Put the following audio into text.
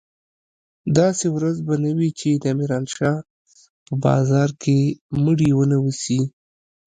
داسې ورځ به نه وي چې د ميرانشاه په بازار کښې مړي ونه سي.